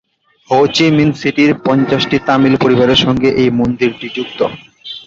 হো Chi Minh সিটির পঞ্চাশটি তামিল পরিবারের সঙ্গে এই মন্দিরটি যুক্ত।